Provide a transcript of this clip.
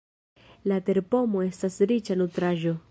La terpomo estas riĉa nutraĵo.